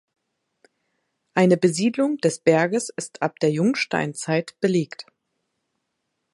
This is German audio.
Eine Besiedlung des Berges ist ab der Jungsteinzeit belegt.